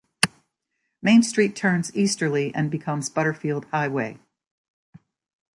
Main Street turns easterly and becomes Butterfield Highway.